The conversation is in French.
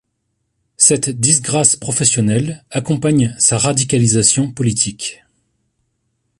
Cette disgrâce professionnelle accompagne sa radicalisation politique.